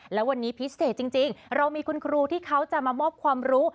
และวันนี้พิเศษจริงเรามีคุณครูที่เขาจะมามอบความรู้